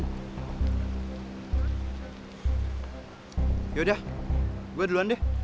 ya udah gue duluan deh